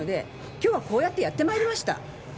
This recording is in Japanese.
今日はこうやってやって参りました。